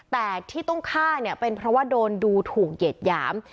แต่ที่ต้องฆ่าเนี่ยเป็นเพราะว่าโดนดูถูกเหยียดหยาม